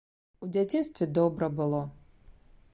У дзяцінстве добра было.